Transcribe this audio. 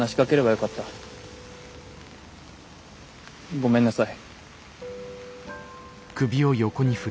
ごめんなさい。